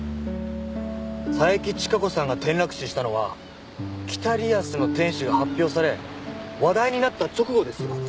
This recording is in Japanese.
佐伯千加子さんが転落死したのは『北リアスの天使』が発表され話題になった直後ですよ。